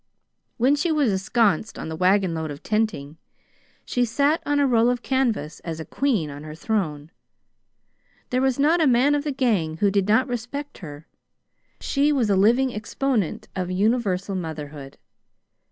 When she was ensconced on the wagonload of tenting, she sat on a roll of canvas as a queen on her throne. There was not a man of the gang who did not respect her. She was a living exponent of universal brotherhood.